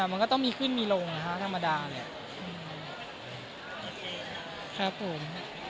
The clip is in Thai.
มันก็ต้องมีขึ้นมีลงนะฮะธรรมดาเนี่ยครับผม